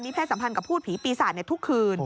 เพศสัมพันธ์กับพูดผีปีศาจในทุกคืน